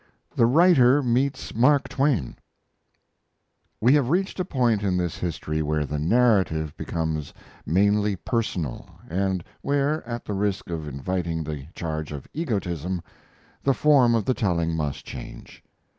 THE WRITER MEETS MARK TWAIN We have reached a point in this history where the narrative becomes mainly personal, and where, at the risk of inviting the charge of egotism, the form of the telling must change.